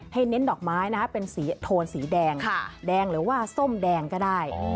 เน้นดอกไม้นะเป็นสีโทนสีแดงแดงหรือว่าส้มแดงก็ได้